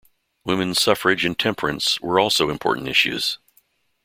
Women's suffrage and temperance were also important issues.